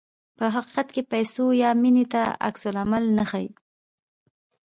په حقیقت کې پیسو یا مینې ته عکس العمل نه ښيي.